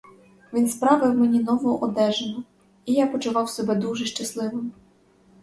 Він справив мені нову одежину, і я почував себе дуже щасливим.